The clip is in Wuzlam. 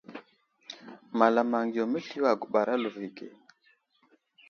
Malamaŋ yo məsliyo a guɓar a lovige.